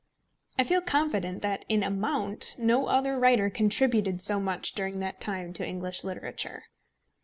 I feel confident that in amount no other writer contributed so much during that time to English literature.